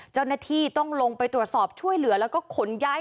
เจ้าหน้าที่ต้องลงไปตรวจสอบช่วยเหลือแล้วก็ขนย้าย